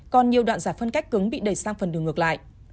còn nhiều đoạn giải phân cách cứng bị đẩy sang phần đường ngược lại